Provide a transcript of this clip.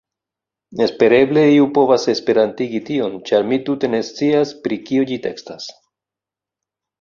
Espereble, iu povas esperantigi tion ĉar mi tute ne scias, pri kio ĝi tekstas